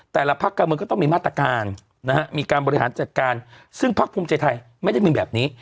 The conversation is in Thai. แต่ละพักการเมืองก็ต้องมีมาตรการนะฮะมีการบริหารจัดการซึ่งพักภูมิใจไทยไม่ได้มีแบบนี้